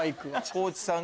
地さん